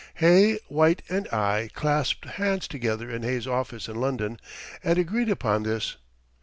Hay, White, and I clasped hands together in Hay's office in London, and agreed upon this.